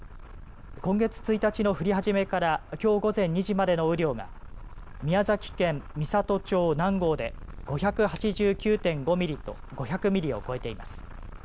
今月１日の降り始めからきょう午前２時までの雨量が宮崎県美郷町南郷で５８９．５ミリと５００ミリを超えています。